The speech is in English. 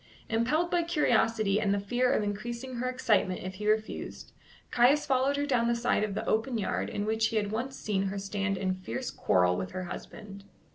Impelled by curiosity and the fear of increasing her excitement if he refused, Caius followed her down the side of the open yard in which he had once seen her stand in fierce quarrel with her husband.